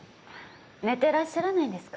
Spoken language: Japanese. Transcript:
寝てらっしゃらないんですか？